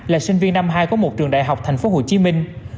là sinh viên năm hai của một trường đại học thành phố hồ chí minh